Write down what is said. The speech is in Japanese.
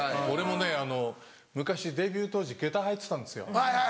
俺もね昔デビュー当時げた履いてたんですよ。